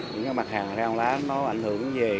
những mặt hàng rau lá nó ảnh hưởng đến gì